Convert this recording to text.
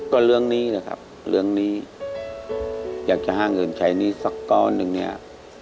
ก็เรื่องนี้นะครับเรื่องนี้จ้างขนาดใช้นี้สักก้อนนึงเนี่ย